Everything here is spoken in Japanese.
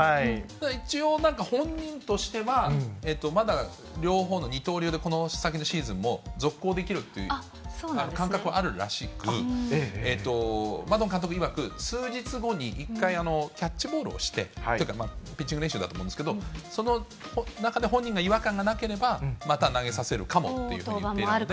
一応、本人としては、まだ両方の二刀流で、この先のシーズンも続行できるっていう感覚はあるらしく、マドン監督いわく、数日後に一回、キャッチボールをして、ピッチング練習だと思うんですけど、その中で本人が違和感がなければ、また投げさせるかもというふうに言っているので。